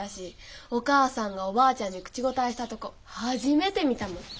お母さんがおばあちゃんに口答えしたとこ初めて見たもん。